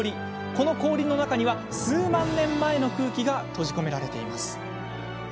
この氷の中には数万年前の空気が閉じ込められています。